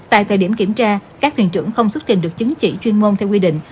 tại thời điểm kiểm tra các thuyền trưởng không xuất trình được chứng chỉ chuyên môn theo quy định